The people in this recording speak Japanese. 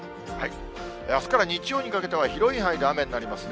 あすから日曜にかけては、広い範囲で雨になりますね。